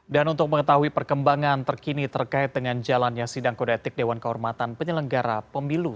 dan untuk mengetahui perkembangan terkini terkait dengan jalannya sidang kode etik dewan kehormatan penyelenggara pemilu